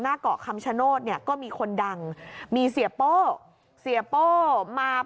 หน้าก่อคำชโนชเนี่ยก็มีคนดังมีเสียโป้เสียโป้มาพร้อมกับทีมงาน